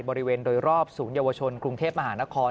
บริเวณโดยรอบศูนยวชนกรุงเทพมหานคร